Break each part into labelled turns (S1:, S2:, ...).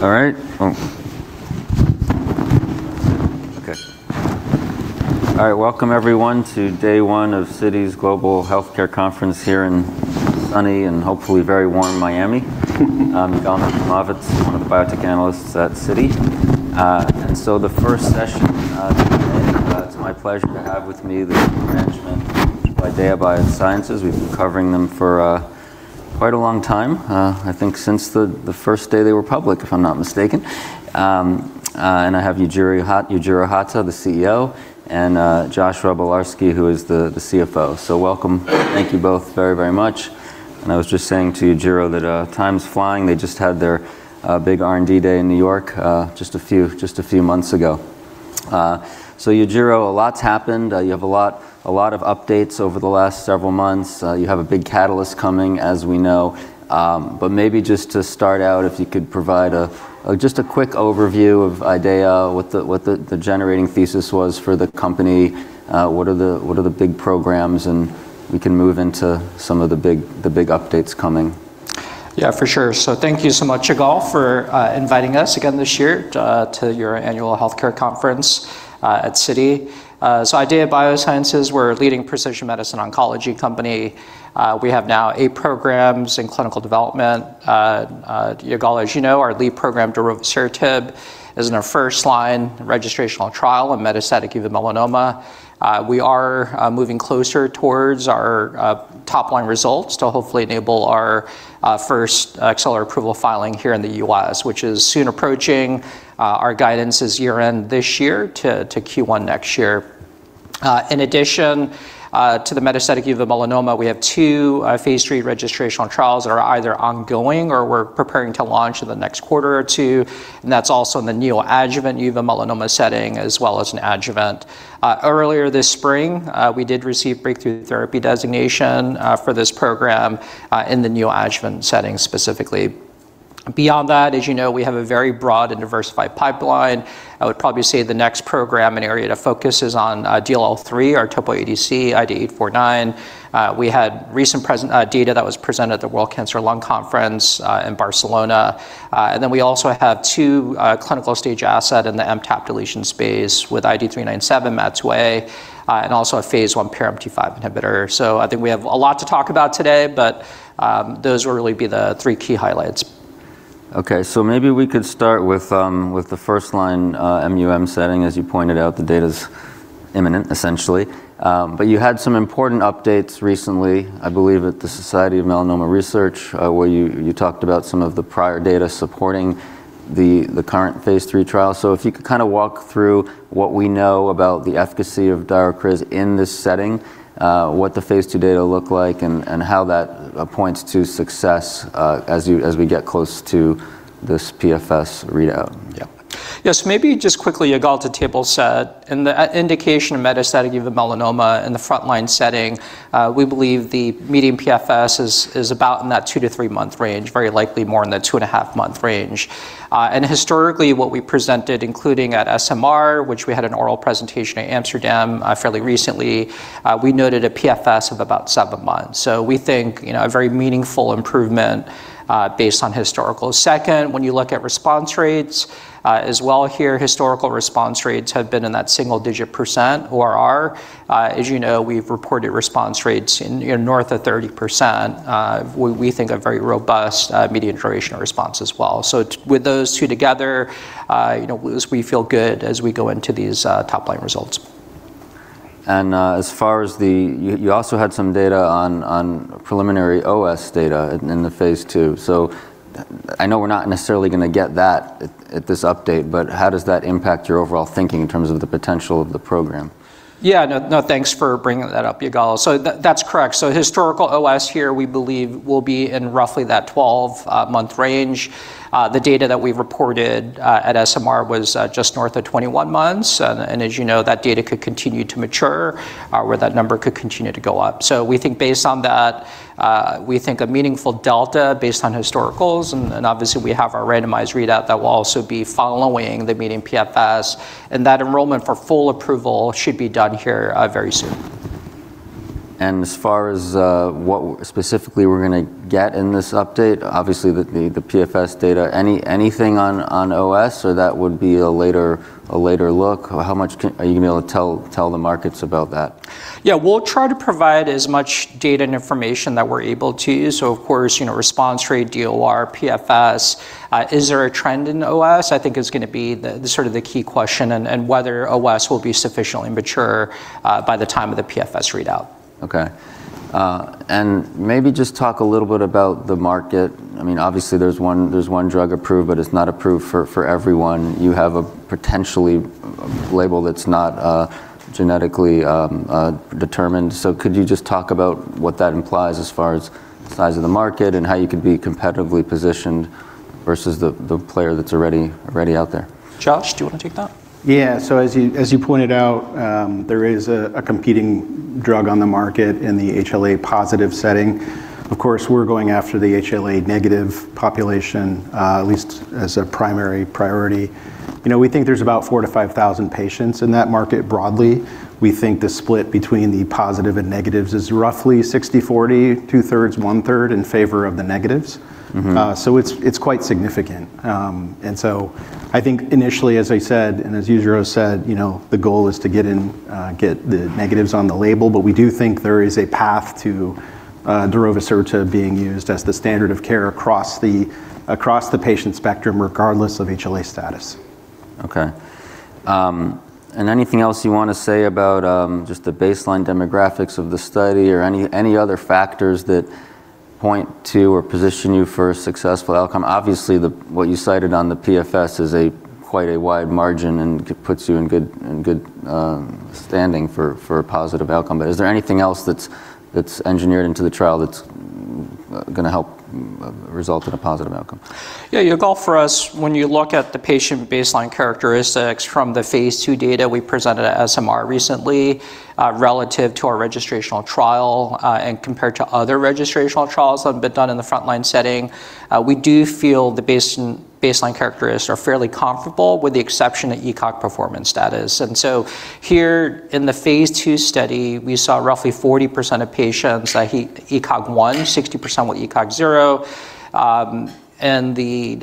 S1: All right. Okay. All right, welcome everyone to Day One of Citi's Global Healthcare Conference here in sunny and hopefully very warm Miami. I'm Yigal Nochomovitz, one of the biotech analysts at Citi. The first session today, it's my pleasure to have with me the management of IDEAYA Biosciences. We've been covering them for quite a long time, I think since the first day they were public, if I'm not mistaken. I have Yujiro Hata, the CEO, and Joshua Bleharski, who is the CFO. Welcome. Thank you both very, very much. I was just saying to Yujiro that time's flying. They just had their big R&D day in New York just a few months ago. Yujiro, a lot's happened. You have a lot of updates over the last several months. You have a big catalyst coming, as we know. Maybe just to start out, if you could provide just a quick overview of IDEAYA, what the generating thesis was for the company, what are the big programs, and we can move into some of the big updates coming.
S2: Yeah, for sure. Thank you so much, Yigal, for inviting us again this year to your annual healthcare conference at Citi. So IDEAYA Biosciences, we're a leading precision medicine oncology company. We have now eight programs in clinical development. Yigal, as you know, our lead program, darovasertib, is in our first line registrational trial in metastatic uveal melanoma. We are moving closer towards our top line results to hopefully enable our first accelerated approval filing here in the U.S., which is soon approaching. Our guidance is year-end this year to Q1 next year. In addition to the metastatic uveal melanoma, we have two phase III registrational trials that are either ongoing or we're preparing to launch in the next quarter or two. That's also in the neoadjuvant uveal melanoma setting, as well as an adjuvant. Earlier this spring, we did receive breakthrough therapy designation for this program in the neoadjuvant setting specifically. Beyond that, as you know, we have a very broad and diversified pipeline. I would probably say the next program and area to focus is on DLL3, our topo ADC IDE849. We had recent data that was presented at the World Conference on Lung Cancer in Barcelona. We also have two clinical stage assets in the MTAP deletion space with IDE397, MAT2A, and also a phase I PRMT5 inhibitor. I think we have a lot to talk about today, but those will really be the three key highlights.
S1: Okay, so maybe we could start with the first line MUM setting. As you pointed out, the data's imminent, essentially. You had some important updates recently, I believe, at the Society for Melanoma Research, where you talked about some of the prior data supporting the current phase III trial. If you could kind of walk through what we know about the efficacy of daro-criz in this setting, what the phase II data look like, and how that points to success as we get close to this PFS readout.
S2: Yep. Yes, maybe just quickly, Yigal, to table set, in the indication of metastatic uveal melanoma in the front line setting, we believe the median PFS is about in that two to three month range, very likely more in the two and a half month range. Historically, what we presented, including at SMR, which we had an oral presentation at Amsterdam fairly recently, we noted a PFS of about seven months. We think a very meaningful improvement based on historical. Second, when you look at response rates as well here, historical response rates have been in that single-digit percent or are. As you know, we've reported response rates north of 30%. We think a very robust median duration response as well. With those two together, we feel good as we go into these top line results.
S1: As far as the, you also had some data on preliminary OS data in the phase II. I know we're not necessarily going to get that at this update, but how does that impact your overall thinking in terms of the potential of the program?
S2: Yeah, no, thanks for bringing that up, Yigal. That is correct. Historical OS here, we believe, will be in roughly that 12-month range. The data that we reported at SMR was just north of 21 months. As you know, that data could continue to mature where that number could continue to go up. We think based on that, we think a meaningful delta based on historicals. Obviously, we have our randomized readout that will also be following the median PFS. That enrollment for full approval should be done here very soon.
S1: As far as what specifically we're going to get in this update, obviously the PFS data, anything on OS, or that would be a later look? How much are you going to be able to tell the markets about that?
S2: Yeah, we'll try to provide as much data and information that we're able to. Of course, response rate, DLR, PFS, is there a trend in OS? I think is going to be sort of the key question and whether OS will be sufficiently mature by the time of the PFS readout.
S1: Okay. Maybe just talk a little bit about the market. I mean, obviously there's one drug approved, but it's not approved for everyone. You have a potentially label that's not genetically determined. Could you just talk about what that implies as far as size of the market and how you could be competitively positioned versus the player that's already out there?
S2: Josh, do you want to take that?
S3: Yeah, as you pointed out, there is a competing drug on the market in the HLA positive setting. Of course, we're going after the HLA negative population, at least as a primary priority. We think there's about 4,000-5,000 patients in that market broadly. We think the split between the positive and negatives is roughly 60/40, two thirds, one third in favor of the negatives. It is quite significant. I think initially, as I said, and as Yujiro said, the goal is to get the negatives on the label, but we do think there is a path to darovasertib being used as the standard of care across the patient spectrum, regardless of HLA status.
S1: Okay. Anything else you want to say about just the baseline demographics of the study or any other factors that point to or position you for a successful outcome? Obviously, what you cited on the PFS is quite a wide margin and puts you in good standing for a positive outcome. Is there anything else that's engineered into the trial that's going to help result in a positive outcome?
S2: Yeah, Yigal, for us, when you look at the patient baseline characteristics from the phase II data we presented at SMR recently, relative to our registrational trial and compared to other registrational trials that have been done in the front line setting, we do feel the baseline characteristics are fairly comparable with the exception of ECOG performance status. Here in the phase II study, we saw roughly 40% of patients at ECOG 1, 60% with ECOG 0. The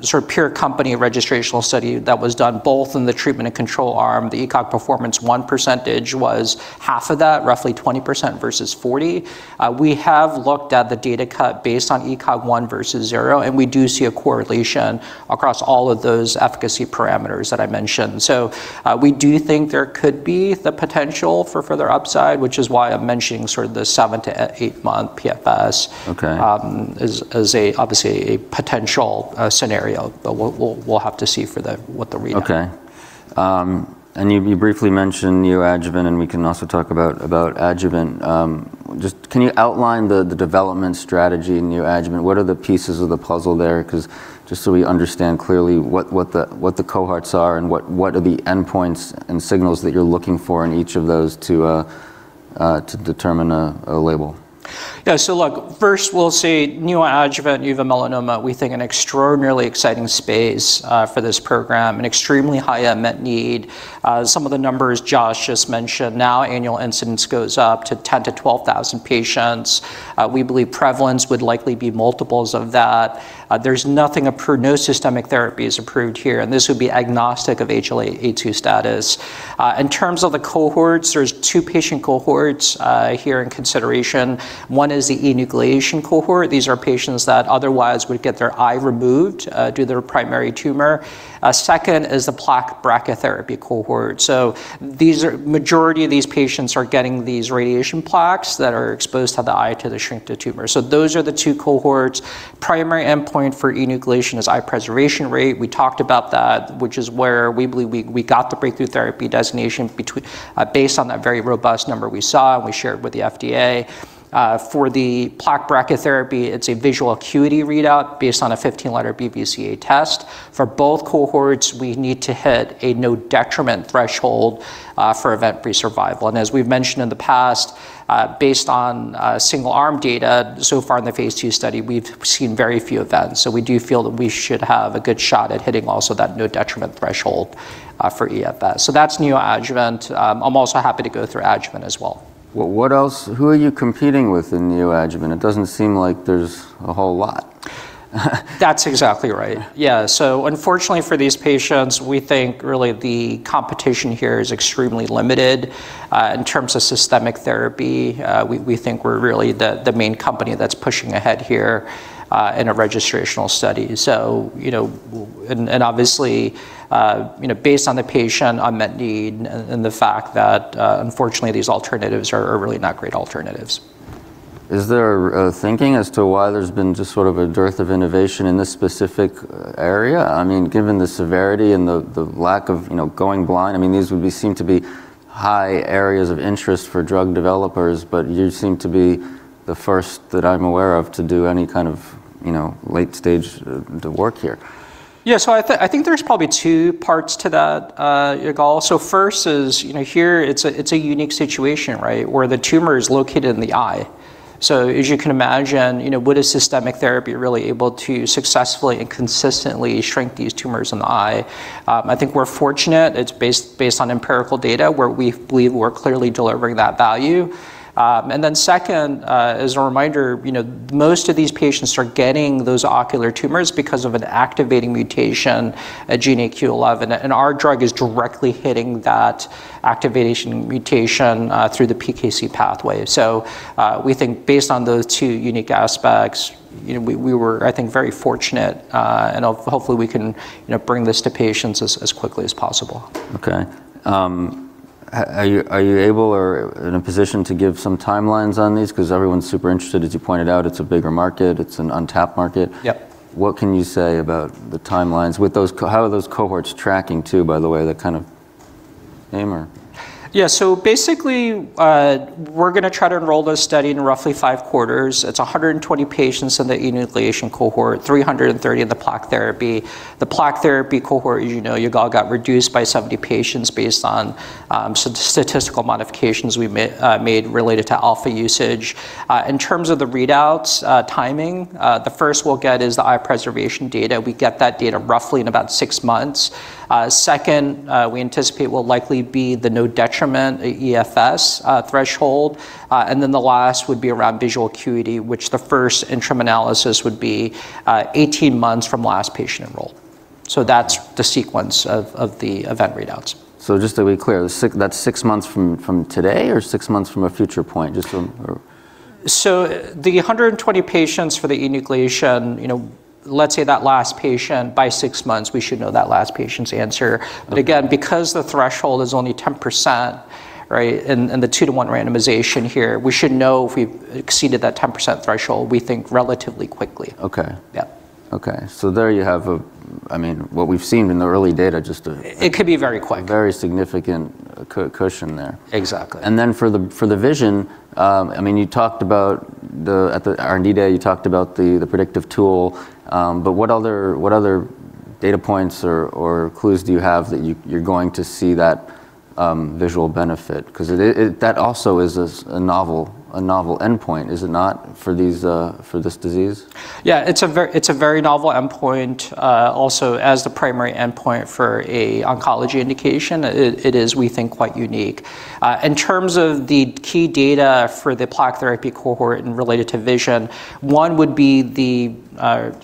S2: sort of peer company registrational study that was done both in the treatment and control arm, the ECOG performance 1 percentage was half of that, roughly 20% versus 40%. We have looked at the data cut based on ECOG 1 versus 0, and we do see a correlation across all of those efficacy parameters that I mentioned. We do think there could be the potential for further upside, which is why I'm mentioning sort of the seven- to eight-month PFS as obviously a potential scenario, but we'll have to see what the reading is.
S1: Okay. You briefly mentioned neoadjuvant, and we can also talk about adjuvant. Just can you outline the development strategy in neoadjuvant? What are the pieces of the puzzle there? Because just so we understand clearly what the cohorts are and what are the endpoints and signals that you're looking for in each of those to determine a label?
S2: Yeah, so look, first we'll say neoadjuvant uveal melanoma, we think an extraordinarily exciting space for this program, an extremely high unmet need. Some of the numbers Josh just mentioned, now annual incidence goes up to 10,000-12,000 patients. We believe prevalence would likely be multiples of that. There's nothing approved, no systemic therapy is approved here, and this would be agnostic of HLA-A2 status. In terms of the cohorts, there's two patient cohorts here in consideration. One is the enucleation cohort. These are patients that otherwise would get their eye removed due to their primary tumor. Second is the plaque brachytherapy cohort. So the majority of these patients are getting these radiation plaques that are exposed to the eye to shrink the tumor. So those are the two cohorts. Primary endpoint for enucleation is eye preservation rate. We talked about that, which is where we believe we got the breakthrough therapy designation based on that very robust number we saw and we shared with the FDA. For the plaque brachytherapy, it's a visual acuity readout based on a 15-letter BCVA test. For both cohorts, we need to hit a no detriment threshold for event-free survival. As we've mentioned in the past, based on single arm data, so far in the phase II study, we've seen very few events. We do feel that we should have a good shot at hitting also that no detriment threshold for EFS. That's neoadjuvant. I'm also happy to go through adjuvant as well.
S1: What else, who are you competing with in neoadjuvant? It doesn't seem like there's a whole lot.
S2: That's exactly right. Yeah, unfortunately for these patients, we think really the competition here is extremely limited in terms of systemic therapy. We think we're really the main company that's pushing ahead here in a registrational study. Obviously, based on the patient unmet need and the fact that unfortunately these alternatives are really not great alternatives.
S1: Is there a thinking as to why there's been just sort of a dearth of innovation in this specific area? I mean, given the severity and the lack of going blind, I mean, these would seem to be high areas of interest for drug developers, but you seem to be the first that I'm aware of to do any kind of late stage work here.
S2: Yeah, I think there's probably two parts to that, Yigal. First is here, it's a unique situation, right, where the tumor is located in the eye. As you can imagine, what is systemic therapy really able to successfully and consistently shrink these tumors in the eye? I think we're fortunate. It's based on empirical data where we believe we're clearly delivering that value. Second, as a reminder, most of these patients are getting those ocular tumors because of an activating mutation, a GNAQ/11. Our drug is directly hitting that activation mutation through the PKC pathway. We think based on those two unique aspects, we were, I think, very fortunate. Hopefully we can bring this to patients as quickly as possible.
S1: Okay. Are you able or in a position to give some timelines on these? Because everyone's super interested. As you pointed out, it's a bigger market. It's an untapped market. What can you say about the timelines? How are those cohorts tracking too, by the way, that kind of aim or?
S2: Yeah, so basically we're going to try to enroll this study in roughly five quarters. It's 120 patients in the enucleation cohort, 330 in the plaque therapy. The plaque therapy cohort, as you know, Yigal, got reduced by 70 patients based on statistical modifications we made related to alpha usage. In terms of the readouts, timing, the first we'll get is the eye preservation data. We get that data roughly in about six months. Second, we anticipate will likely be the no detriment EFS threshold. And then the last would be around visual acuity, which the first interim analysis would be 18 months from last patient enrolled. So that's the sequence of the event readouts.
S1: Just to be clear, that's six months from today or six months from a future point?
S2: The 120 patients for the enucleation, let's say that last patient by six months, we should know that last patient's answer. Again, because the threshold is only 10%, right, and the two to one randomization here, we should know if we've exceeded that 10% threshold, we think relatively quickly.
S1: Okay. Okay. There you have, I mean, what we've seen in the early data just to.
S2: It could be very quick.
S1: Very significant cushion there.
S2: Exactly.
S1: For the vision, I mean, you talked about the R&D data, you talked about the predictive tool, but what other data points or clues do you have that you're going to see that visual benefit? Because that also is a novel endpoint, is it not, for this disease?
S2: Yeah, it's a very novel endpoint. Also, as the primary endpoint for an oncology indication, it is, we think, quite unique. In terms of the key data for the plaque therapy cohort and related to vision, one would be the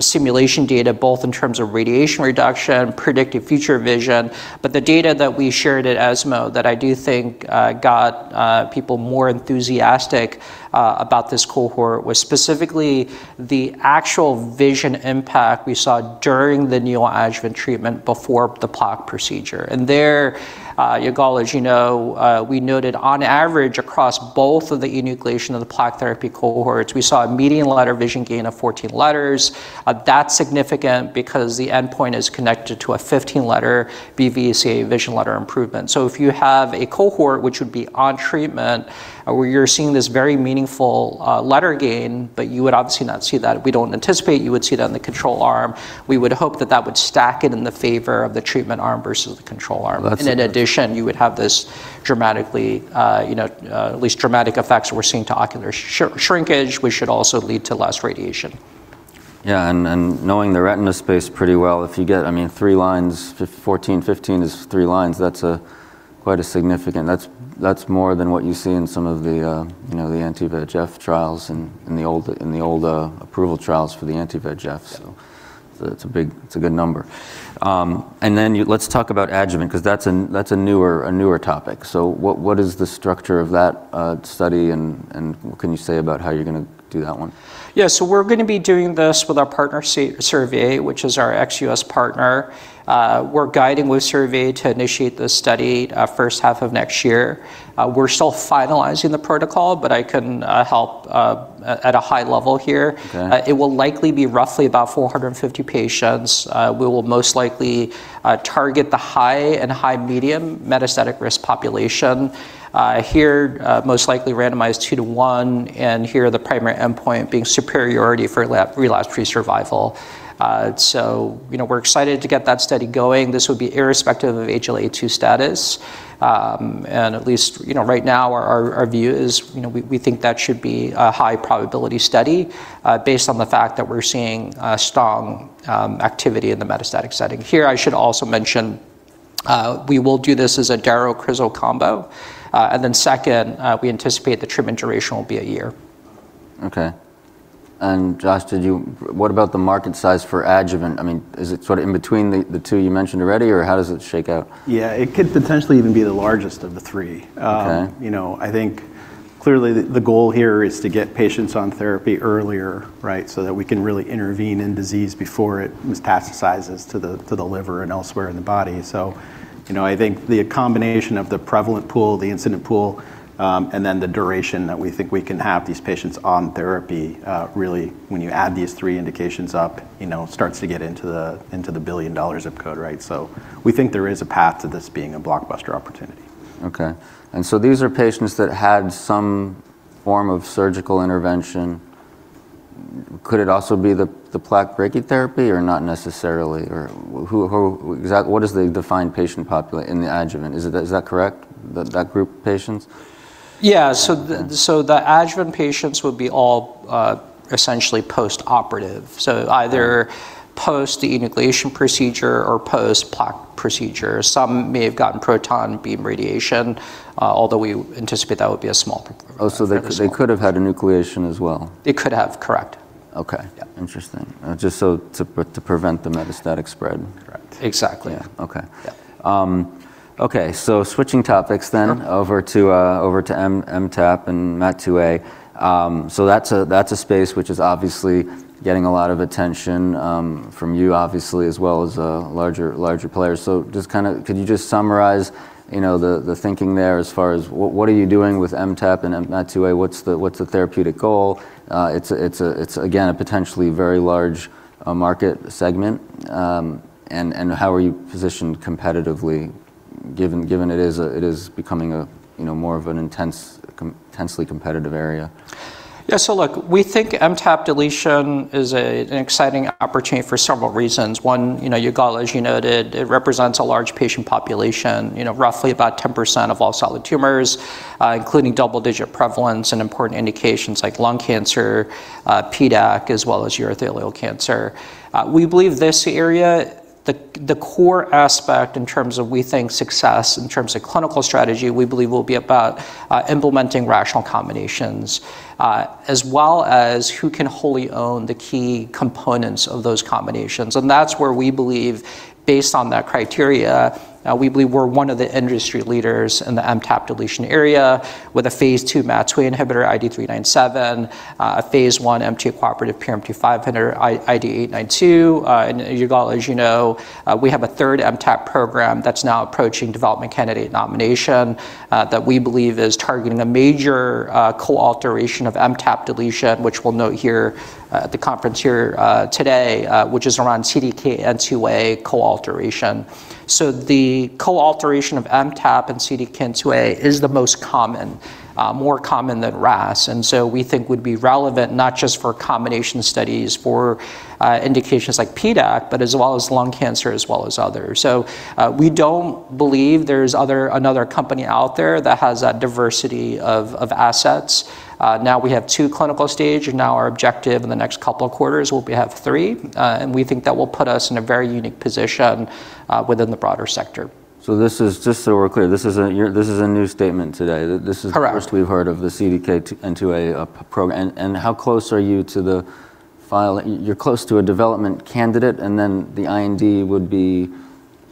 S2: simulation data, both in terms of radiation reduction, predictive future vision, but the data that we shared at ESMO that I do think got people more enthusiastic about this cohort was specifically the actual vision impact we saw during the neoadjuvant treatment before the plaque procedure. There, Yigal, as you know, we noted on average across both of the enucleation and the plaque therapy cohorts, we saw a median letter vision gain of 14 letters. That's significant because the endpoint is connected to a 15-letter BCVA vision letter improvement. If you have a cohort which would be on treatment where you're seeing this very meaningful letter gain, but you would obviously not see that, we don't anticipate you would see that in the control arm. We would hope that that would stack it in the favor of the treatment arm versus the control arm. In addition, you would have this dramatically, at least dramatic effects we're seeing to ocular shrinkage, which should also lead to less radiation.
S1: Yeah, and knowing the retina space pretty well, if you get, I mean, three lines, 14, 15 is three lines, that's quite a significant, that's more than what you see in some of the anti-VEGF trials and the old approval trials for the anti-VEGF. It's a good number. Let's talk about adjuvant because that's a newer topic. What is the structure of that study and what can you say about how you're going to do that one?
S2: Yeah, we are going to be doing this with our partner Servier, which is our ex-U.S. partner. We are guiding with Servier to initiate this study first half of next year. We are still finalizing the protocol, but I can help at a high level here. It will likely be roughly about 450 patients. We will most likely target the high and high medium metastatic risk population here, most likely randomized two to one, and here the primary endpoint being superiority for relapse-free survival. We are excited to get that study going. This would be irrespective of HLA-A2 status. At least right now our view is we think that should be a high probability study based on the fact that we are seeing strong activity in the metastatic setting. Here, I should also mention we will do this as a daro-crizo combo. We anticipate the treatment duration will be a year.
S1: Okay. Josh, what about the market size for adjuvant? I mean, is it sort of in between the two you mentioned already or how does it shake out?
S3: Yeah, it could potentially even be the largest of the three. I think clearly the goal here is to get patients on therapy earlier, right, so that we can really intervene in disease before it metastasizes to the liver and elsewhere in the body. I think the combination of the prevalent pool, the incident pool, and then the duration that we think we can have these patients on therapy really, when you add these three indications up, starts to get into the billion dollar zip code, right? We think there is a path to this being a blockbuster opportunity.
S1: Okay. These are patients that had some form of surgical intervention. Could it also be the plaque brachytherapy or not necessarily? What is the defined patient population in the adjuvant? Is that correct, that group of patients?
S2: Yeah, the adjuvant patients would be all essentially post-operative. Either post-enucleation procedure or post-plaque procedure. Some may have gotten proton beam radiation, although we anticipate that would be a small proportion.
S1: Oh, so they could have had enucleation as well.
S2: They could have, correct.
S1: Okay. Interesting. Just so to prevent the metastatic spread.
S2: Correct. Exactly.
S1: Okay. Okay, switching topics then over to MTAP and MAT2A. That is a space which is obviously getting a lot of attention from you, obviously, as well as larger players. Could you just summarize the thinking there as far as what are you doing with MTAP and MAT2A? What is the therapeutic goal? It is again a potentially very large market segment. How are you positioned competitively given it is becoming more of an intensely competitive area?
S2: Yeah, so look, we think MTAP deletion is an exciting opportunity for several reasons. One, Yigal, as you noted, it represents a large patient population, roughly about 10% of all solid tumors, including double-digit prevalence in important indications like lung cancer, PDAC, as well as urothelial cancer. We believe this area, the core aspect in terms of, we think, success in terms of clinical strategy, we believe will be about implementing rational combinations, as well as who can wholly own the key components of those combinations. That's where we believe, based on that criteria, we believe we're one of the industry leaders in the MTAP deletion area with a phase II MAT2A inhibitor, IDE397, a phase I MTA-cooperative PRMT5, IDE892. Yigal, as you know, we have a third MTAP program that's now approaching development candidate nomination that we believe is targeting a major coalteration of MTAP deletion, which we'll note here at the conference here today, which is around CDKN2A coalteration. The coalteration of MTAP and CDKN2A is the most common, more common than RAS. We think it would be relevant not just for combination studies for indications like PDAC, but as well as lung cancer, as well as others. We don't believe there's another company out there that has that diversity of assets. Now we have two clinical stages. Our objective in the next couple of quarters will be to have three. We think that will put us in a very unique position within the broader sector.
S1: Just so we're clear, this is a new statement today. This is the first we've heard of the CDKN2A program. How close are you to the file? You're close to a development candidate and then the IND would be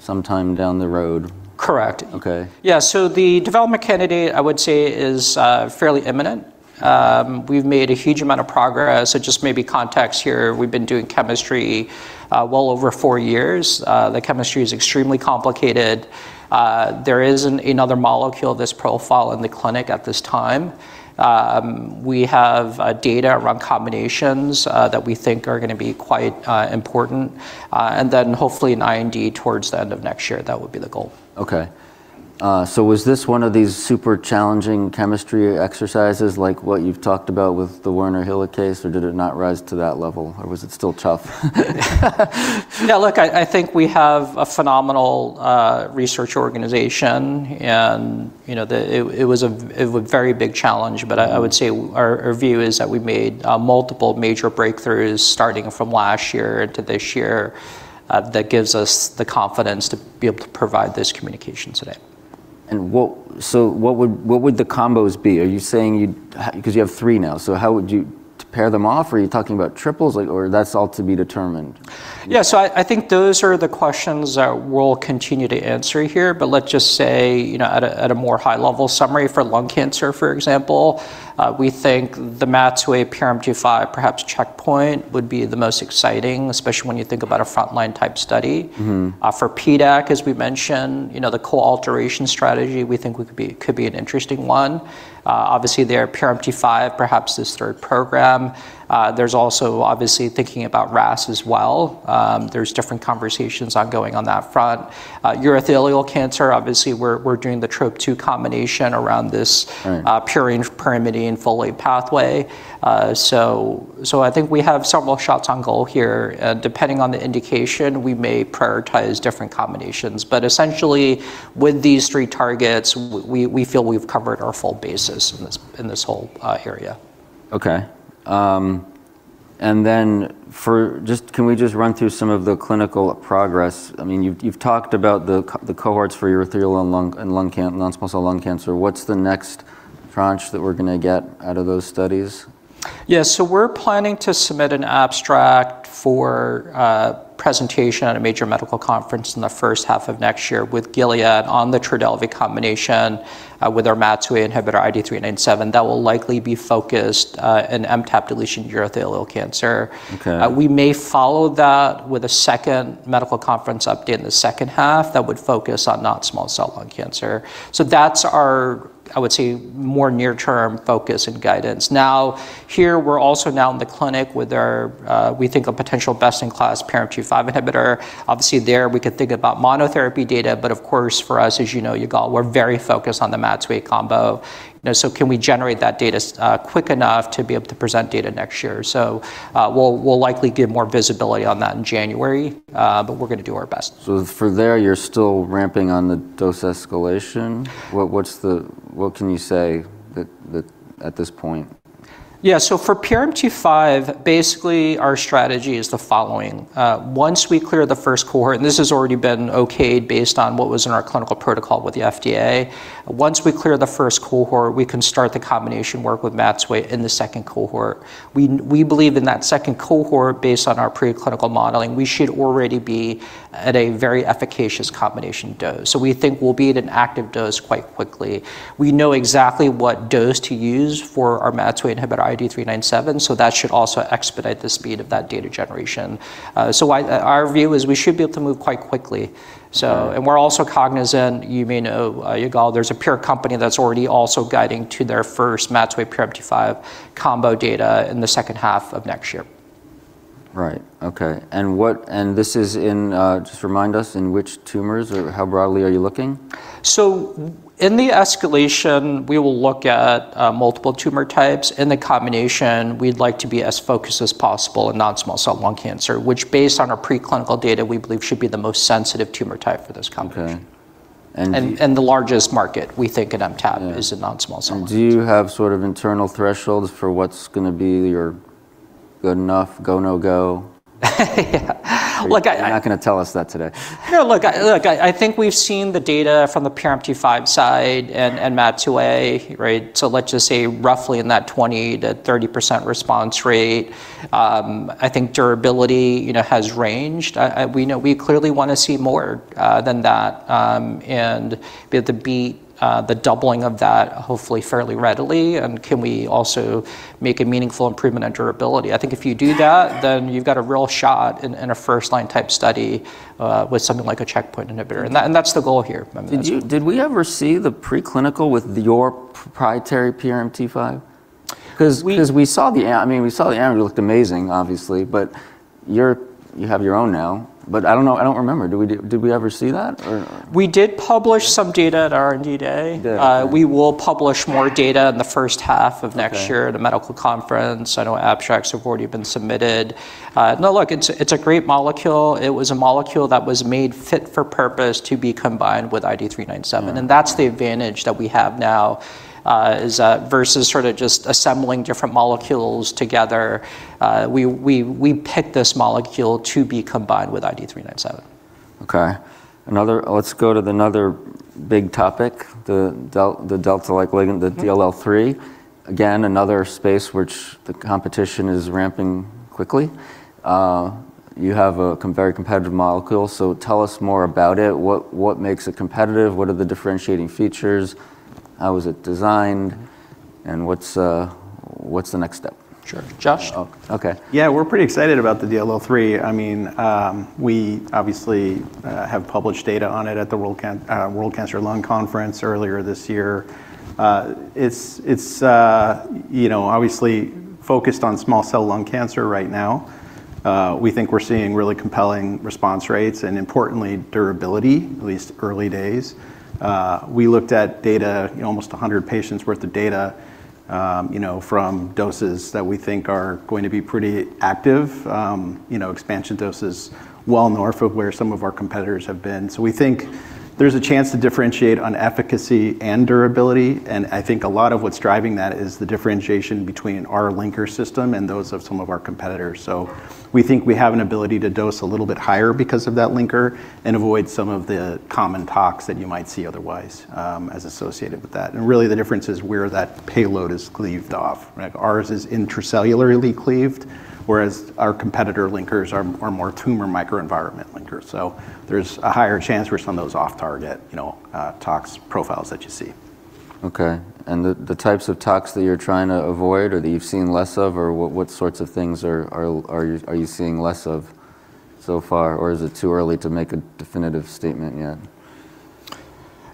S1: sometime down the road.
S2: Correct.
S1: Okay.
S2: Yeah, so the development candidate, I would say, is fairly imminent. We've made a huge amount of progress. Just maybe context here, we've been doing chemistry well over four years. The chemistry is extremely complicated. There is another molecule of this profile in the clinic at this time. We have data around combinations that we think are going to be quite important. Hopefully an IND towards the end of next year, that would be the goal.
S1: Okay. Was this one of these super challenging chemistry exercises like what you've talked about with the Werner helicase? Or did it not rise to that level? Or was it still tough?
S2: Yeah, look, I think we have a phenomenal research organization. It was a very big challenge, but I would say our view is that we made multiple major breakthroughs starting from last year into this year that gives us the confidence to be able to provide this communication today.
S1: What would the combos be? Are you saying you'd, because you have three now, so how would you pair them off? Are you talking about triples or that's all to be determined?
S2: Yeah, so I think those are the questions that we'll continue to answer here, but let's just say at a more high-level summary for lung cancer, for example, we think the MAT2A PRMT5 perhaps checkpoint would be the most exciting, especially when you think about a frontline type study. For PDAC, as we mentioned, the coalteration strategy, we think could be an interesting one. Obviously, there are PRMT5, perhaps this third program. There's also obviously thinking about RAS as well. There's different conversations ongoing on that front. Urothelial cancer, obviously we're doing the Trodelvy combination around this pyrimidine folate pathway. I think we have several shots on goal here. Depending on the indication, we may prioritize different combinations. Essentially, with these three targets, we feel we've covered our full basis in this whole area.
S1: Okay. Can we just run through some of the clinical progress? I mean, you've talked about the cohorts for urothelial and non-small cell lung cancer. What's the next tranche that we're going to get out of those studies?
S2: Yeah, so we're planning to submit an abstract for presentation at a major medical conference in the first half of next year with Gilead on the Trodelvy combination with our MAT2A inhibitor, IDE397. That will likely be focused in MTAP deletion urothelial cancer. We may follow that with a second medical conference update in the second half that would focus on non-small cell lung cancer. That's our, I would say, more near-term focus and guidance. Now, here we're also now in the clinic with our, we think a potential best-in-class PRMT5 inhibitor. Obviously, there we could think about monotherapy data, but of course for us, as you know, Yigal, we're very focused on the MAT2A combo. Can we generate that data quick enough to be able to present data next year? We'll likely get more visibility on that in January, but we're going to do our best.
S1: For there, you're still ramping on the dose escalation. What can you say at this point?
S2: Yeah, so for PRMT5, basically our strategy is the following. Once we clear the first cohort, and this has already been okayed based on what was in our clinical protocol with the FDA, once we clear the first cohort, we can start the combination work with MAT2A in the second cohort. We believe in that second cohort based on our preclinical modeling, we should already be at a very efficacious combination dose. We think we'll be at an active dose quite quickly. We know exactly what dose to use for our MAT2A inhibitor, IDE397, so that should also expedite the speed of that data generation. Our view is we should be able to move quite quickly. We're also cognizant, you may know, Yigal, there's a peer company that's already also guiding to their first MAT2A PRMT5 combo data in the second half of next year.
S1: Right. Okay. This is in, just remind us, in which tumors or how broadly are you looking?
S2: In the escalation, we will look at multiple tumor types. In the combination, we'd like to be as focused as possible in non-small cell lung cancer, which based on our preclinical data, we believe should be the most sensitive tumor type for this company. The largest market we think in MTAP is in non-small cell lung cancer.
S1: Do you have sort of internal thresholds for what's going to be your good enough, go no go?
S2: Yeah.
S1: You're not going to tell us that today.
S2: No, look, I think we've seen the data from the PRMT5 side and MAT2A, right? Let's just say roughly in that 20-30% response rate. I think durability has ranged. We clearly want to see more than that and be able to beat the doubling of that hopefully fairly readily. Can we also make a meaningful improvement in durability? I think if you do that, then you've got a real shot in a first-line type study with something like a checkpoint inhibitor. That's the goal here.
S1: Did we ever see the preclinical with your proprietary PRMT5? Because we saw the, I mean, we saw the analogy, looked amazing, obviously, but you have your own now, but I don't know, I don't remember. Did we ever see that or?
S2: We did publish some data at R&D Day. We will publish more data in the first half of next year at a medical conference. I know abstracts have already been submitted. No, look, it's a great molecule. It was a molecule that was made fit for purpose to be combined with IDE397. And that's the advantage that we have now versus sort of just assembling different molecules together. We picked this molecule to be combined with IDE397.
S1: Okay. Let's go to another big topic, the delta-like ligand, the DLL3. Again, another space which the competition is ramping quickly. You have a very competitive molecule, so tell us more about it. What makes it competitive? What are the differentiating features? How is it designed? What's the next step?
S2: Sure. Josh?
S1: Okay.
S3: Yeah, we're pretty excited about the DLL3. I mean, we obviously have published data on it at the World Conference on Lung Cancer earlier this year. It's obviously focused on small cell lung cancer right now. We think we're seeing really compelling response rates and importantly durability, at least early days. We looked at data, almost 100 patients' worth of data from doses that we think are going to be pretty active, expansion doses well north of where some of our competitors have been. We think there's a chance to differentiate on efficacy and durability. I think a lot of what's driving that is the differentiation between our linker system and those of some of our competitors. We think we have an ability to dose a little bit higher because of that linker and avoid some of the common tox that you might see otherwise as associated with that. Really the difference is where that payload is cleaved off. Ours is intracellularly cleaved, whereas our competitor linkers are more tumor microenvironment linkers. There is a higher chance for some of those off-target tox profiles that you see.
S1: Okay. The types of tox that you're trying to avoid or that you've seen less of, or what sorts of things are you seeing less of so far? Is it too early to make a definitive statement yet?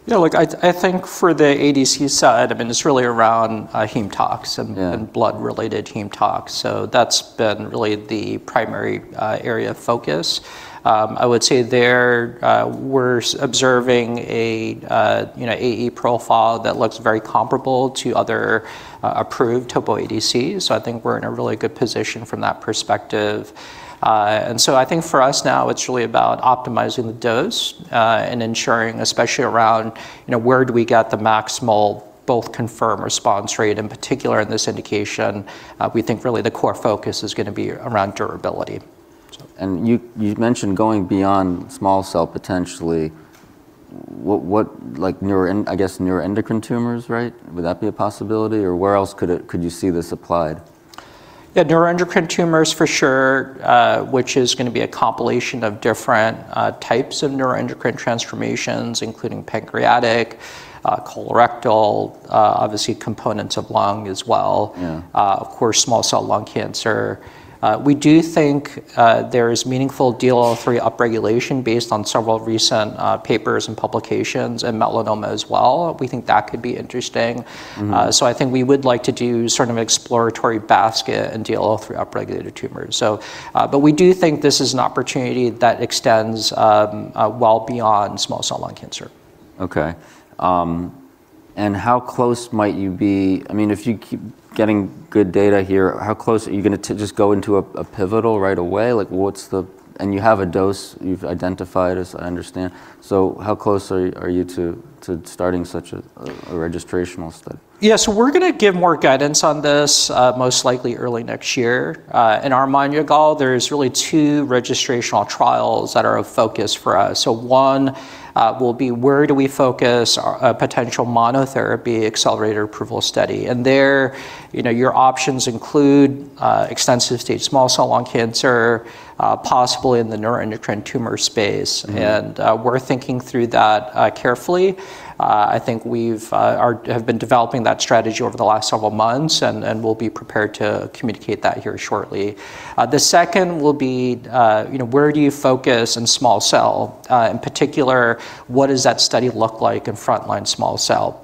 S2: Yeah, look, I think for the ADC side, I mean, it's really around heme tox and blood-related heme tox. That's been really the primary area of focus. I would say there we're observing an AE profile that looks very comparable to other approved topo ADCs. I think we're in a really good position from that perspective. I think for us now it's really about optimizing the dose and ensuring, especially around where do we get the maximal both confirm response rate in particular in this indication. We think really the core focus is going to be around durability.
S1: You mentioned going beyond small cell potentially. I guess neuroendocrine tumors, right? Would that be a possibility? Where else could you see this applied?
S2: Yeah, neuroendocrine tumors for sure, which is going to be a compilation of different types of neuroendocrine transformations, including pancreatic, colorectal, obviously components of lung as well. Of course, small cell lung cancer. We do think there is meaningful DLL3 upregulation based on several recent papers and publications in melanoma as well. We think that could be interesting. I think we would like to do sort of an exploratory basket in DLL3 upregulated tumors. We do think this is an opportunity that extends well beyond small cell lung cancer.
S1: Okay. How close might you be? I mean, if you keep getting good data here, how close are you going to just go into a pivotal right away? You have a dose you've identified, as I understand. How close are you to starting such a registrational study?
S2: Yeah, we're going to give more guidance on this most likely early next year. In our mind, Yigal, there's really two registrational trials that are of focus for us. One will be where do we focus a potential monotherapy accelerator approval study. There your options include extensive stage small cell lung cancer, possibly in the neuroendocrine tumor space. We're thinking through that carefully. I think we've been developing that strategy over the last several months and we'll be prepared to communicate that here shortly. The second will be where do you focus in small cell. In particular, what does that study look like in frontline small cell.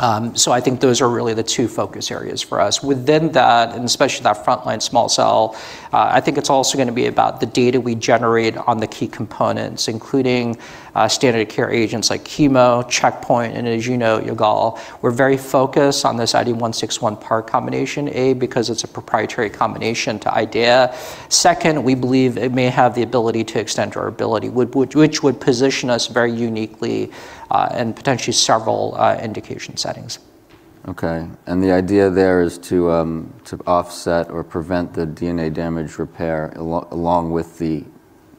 S2: I think those are really the two focus areas for us. Within that, and especially that frontline small cell, I think it's also going to be about the data we generate on the key components, including standard care agents like chemo, checkpoint, and as you know, Yigal, we're very focused on this IDE161 PARG combination, A, because it's a proprietary combination to IDEAYA. Second, we believe it may have the ability to extend durability, which would position us very uniquely in potentially several indication settings.
S1: Okay. The idea there is to offset or prevent the DNA damage repair along with the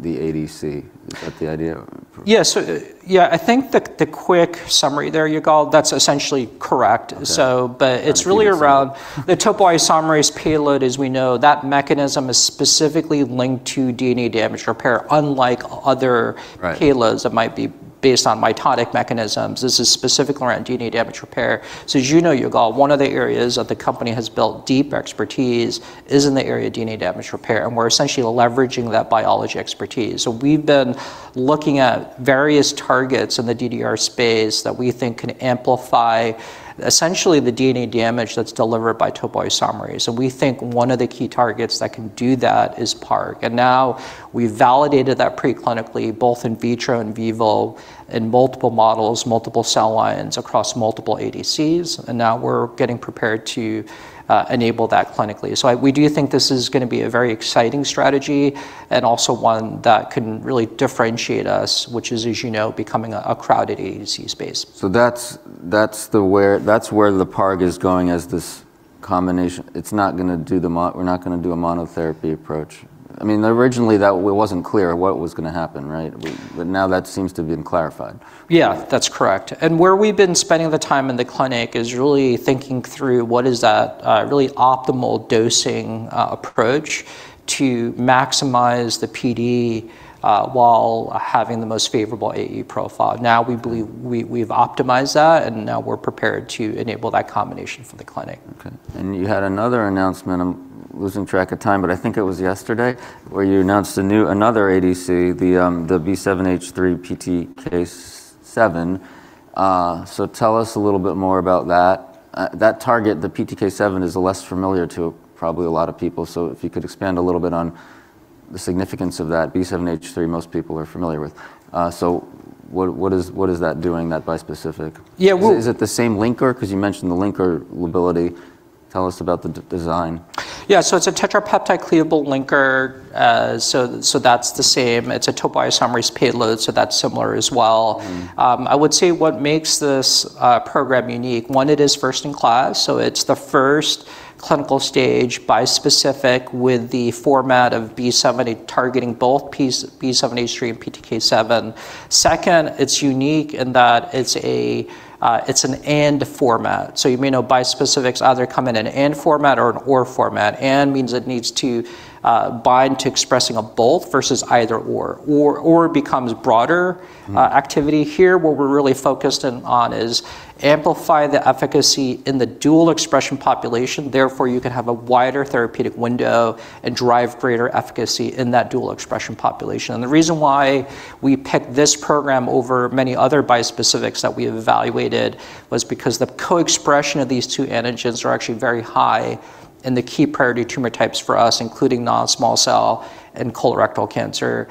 S1: ADC. Is that the idea?
S2: Yeah, so yeah, I think the quick summary there, Yigal, that's essentially correct. It's really around the topoisomerase payload, as we know, that mechanism is specifically linked to DNA damage repair, unlike other payloads that might be based on mitotic mechanisms. This is specifically around DNA damage repair. As you know, Yigal, one of the areas that the company has built deep expertise is in the area of DNA damage repair. We're essentially leveraging that biology expertise. We've been looking at various targets in the DDR space that we think can amplify essentially the DNA damage that's delivered by topoisomerase. We think one of the key targets that can do that is PARG. We've validated that preclinically, both in vitro and in vivo in multiple models, multiple cell lines across multiple ADCs. We're getting prepared to enable that clinically. We do think this is going to be a very exciting strategy and also one that can really differentiate us, which is, as you know, becoming a crowded ADC space.
S1: That's where the PARG is going as this combination. It's not going to do the, we're not going to do a monotherapy approach. I mean, originally that wasn't clear what was going to happen, right? But now that seems to have been clarified.
S2: Yeah, that's correct. Where we've been spending the time in the clinic is really thinking through what is that really optimal dosing approach to maximize the PD while having the most favorable AE profile. Now we believe we've optimized that and now we're prepared to enable that combination for the clinic.
S1: Okay. You had another announcement, I'm losing track of time, but I think it was yesterday where you announced another ADC, the B7H3/PTK7. Tell us a little bit more about that. That target, the PTK7, is less familiar to probably a lot of people. If you could expand a little bit on the significance of that. B7H3 most people are familiar with. What is that doing, that bispecific? Is it the same linker? You mentioned the linker lability. Tell us about the design.
S2: Yeah, so it's a tetrapeptide cleavable linker. That's the same. It's a topoisomerase payload, so that's similar as well. I would say what makes this program unique, one, it is first in class. It's the first clinical stage bispecific with the format of B7 targeting both B7H3 and PTK7. Second, it's unique in that it's an AND format. You may know bispecifics either come in an AND format or an OR format. AND means it needs to bind to expressing both versus either OR. OR becomes broader activity here. What we're really focused on is amplify the efficacy in the dual expression population. Therefore, you can have a wider therapeutic window and drive greater efficacy in that dual expression population. The reason why we picked this program over many other bispecifics that we've evaluated was because the co-expression of these two antigens are actually very high in the key priority tumor types for us, including non-small cell and colorectal cancer.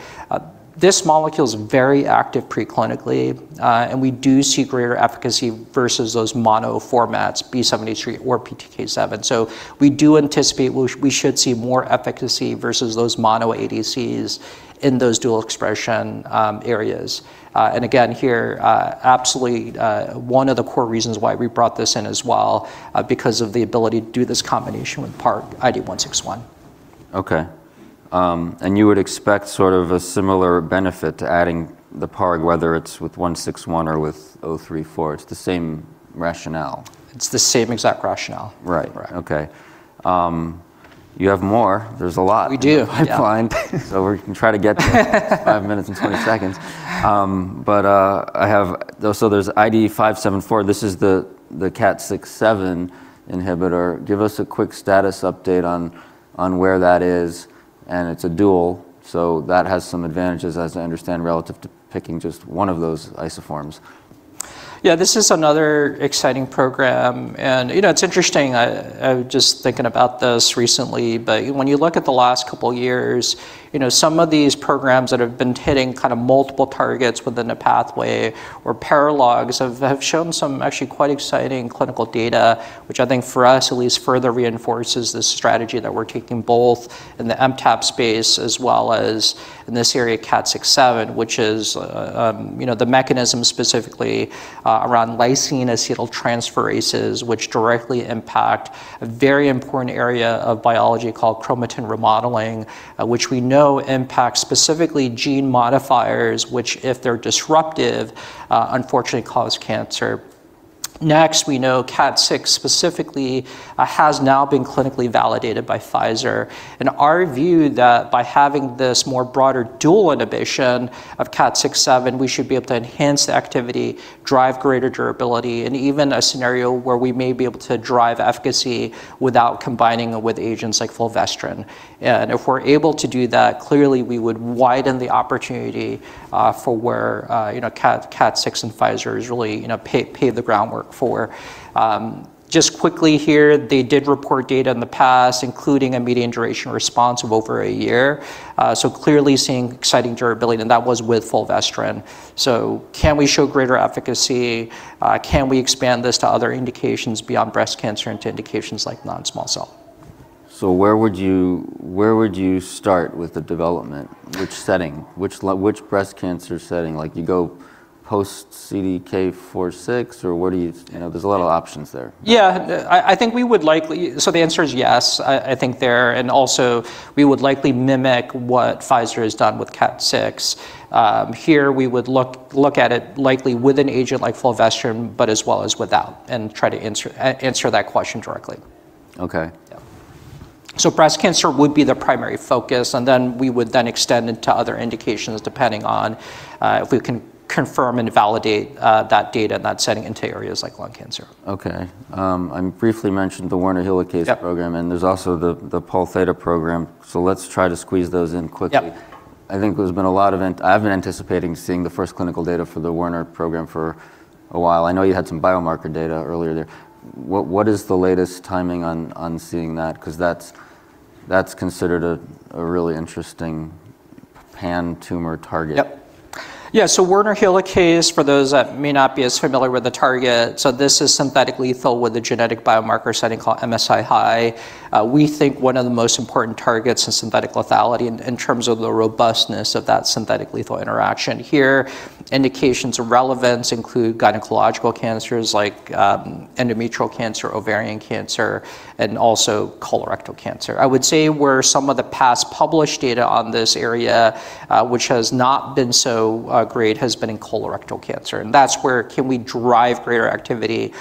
S2: This molecule is very active preclinically, and we do see greater efficacy versus those mono formats, B7H3 or PTK7. We do anticipate we should see more efficacy versus those mono ADCs in those dual expression areas. Again, here, absolutely one of the core reasons why we brought this in as well, because of the ability to do this combination with PARG, IDE161.
S1: Okay. You would expect sort of a similar benefit to adding the PARG, whether it's with 161 or with 034. It's the same rationale.
S2: It's the same exact rationale.
S1: Right. Okay. You have more. There's a lot.
S2: We do.
S1: I find. We can try to get to five minutes and 20 seconds. I have, so there's IDE574. This is the KAT6/7 inhibitor. Give us a quick status update on where that is. It's a dual, so that has some advantages, as I understand, relative to picking just one of those isoforms.
S2: Yeah, this is another exciting program. You know, it's interesting, I was just thinking about this recently, but when you look at the last couple of years, some of these programs that have been hitting kind of multiple targets within the pathway or paralogs have shown some actually quite exciting clinical data, which I think for us at least further reinforces this strategy that we're taking both in the MTAP space as well as in this area, KAT6/7, which is the mechanism specifically around lysine acetyltransferases, which directly impact a very important area of biology called chromatin remodeling, which we know impacts specifically gene modifiers, which if they're disruptive, unfortunately cause cancer. Next, we know KAT6 specifically has now been clinically validated by Pfizer. Our view is that by having this more broader dual inhibition of KAT6/7, we should be able to enhance the activity, drive greater durability, and even a scenario where we may be able to drive efficacy without combining it with agents like fulvestrant. If we're able to do that, clearly we would widen the opportunity for where KAT6 and Pfizer has really paved the groundwork for. Just quickly here, they did report data in the past, including a median duration response of over a year. Clearly seeing exciting durability, and that was with fulvestrant. Can we show greater efficacy? Can we expand this to other indications beyond breast cancer and to indications like non-small cell?
S1: Where would you start with the development? Which setting? Which breast cancer setting? Like you go post CDK4/6 or what do you, there's a lot of options there.
S2: Yeah, I think we would likely, the answer is yes, I think there. We would likely mimic what Pfizer has done with KAT6. Here we would look at it likely with an agent like fulvestrant, but as well as without, and try to answer that question directly.
S1: Okay.
S2: Breast cancer would be the primary focus, and then we would then extend into other indications depending on if we can confirm and validate that data in that setting into areas like lung cancer.
S1: Okay. I briefly mentioned the Werner Helicase Program, and there's also the Pol Theta Program. Let's try to squeeze those in quickly. I think there's been a lot of, I've been anticipating seeing the first clinical data for the Werner Program for a while. I know you had some biomarker data earlier there. What is the latest timing on seeing that? Because that's considered a really interesting pan-tumor target.
S2: Yeah, so Werner helicase, for those that may not be as familiar with the target, this is synthetic lethal with a genetic biomarker setting called MSI-high. We think one of the most important targets is synthetic lethality in terms of the robustness of that synthetic lethal interaction. Here, indications of relevance include gynecological cancers like endometrial cancer, ovarian cancer, and also colorectal cancer. I would say where some of the past published data on this area, which has not been so great, has been in colorectal cancer. That is where can we drive greater activity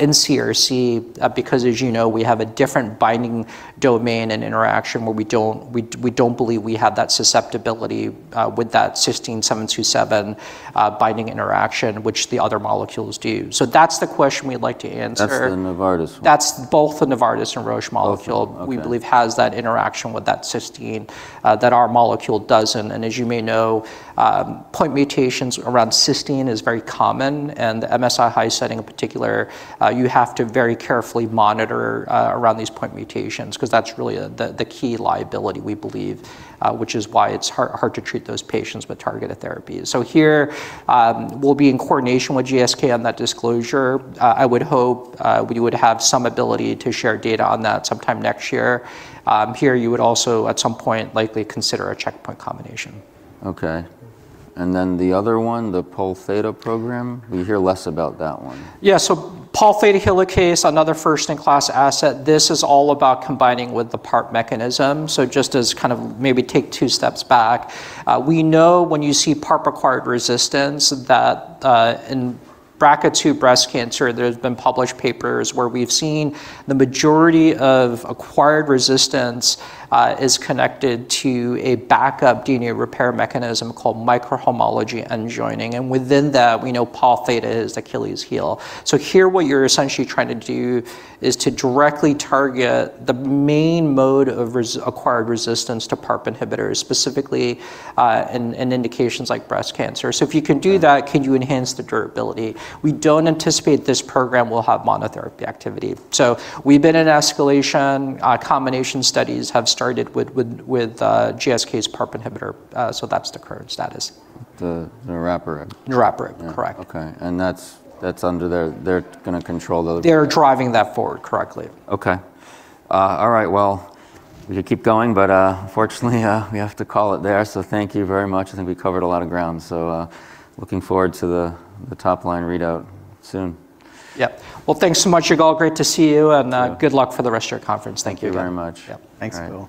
S2: in CRC? Because, as you know, we have a different binding domain and interaction where we do not believe we have that susceptibility with that cysteine 727 binding interaction, which the other molecules do. That is the question we would like to answer.
S1: That's the Novartis one.
S2: That's both the Novartis and Roche molecule. We believe has that interaction with that cysteine that our molecule doesn't. As you may know, point mutations around cysteine is very common. In the MSI-high setting in particular, you have to very carefully monitor around these point mutations because that's really the key liability we believe, which is why it's hard to treat those patients with targeted therapies. Here, we'll be in coordination with GSK on that disclosure. I would hope we would have some ability to share data on that sometime next year. Here, you would also at some point likely consider a checkpoint combination.
S1: Okay. And then the other one, the Pol Theta program, we hear less about that one.
S2: Yeah, so Pol Theta helicase, another first-in-class asset. This is all about combining with the PARP mechanism. Just as kind of maybe take two steps back. We know when you see PARP-acquired resistance that in BRCA2 breast cancer, there have been published papers where we've seen the majority of acquired resistance is connected to a backup DNA repair mechanism called microhomology-mediated end joining. Within that, we know Pol Theta is Achilles' heel. Here what you're essentially trying to do is to directly target the main mode of acquired resistance to PARP inhibitors, specifically in indications like breast cancer. If you can do that, can you enhance the durability? We don't anticipate this program will have monotherapy activity. We've been in escalation. Combination studies have started with GSK's PARP inhibitor. That's the current status.
S1: The niraparib.
S2: Niraparib, correct.
S1: Okay. That is under their, they are going to control those.
S2: They're driving that forward correctly.
S1: Okay. All right, we can keep going, but unfortunately we have to call it there. Thank you very much. I think we covered a lot of ground. Looking forward to the top line readout soon.
S2: Yep. Thank you so much, Yigal. Great to see you. Good luck for the rest of your conference. Thank you.
S1: Thank you very much.
S3: Thanks, Yigal.